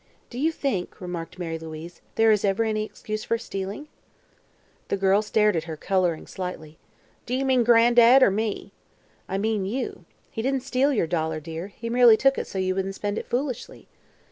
"Do you think," remarked Mary Louise, "there is ever any excuse for stealing?" The girl stared at her, coloring slightly. "Do ye mean Gran'dad, er me?" "I mean you. He didn't steal your dollar, dear; he merely took it so you wouldn't spend it foolishly."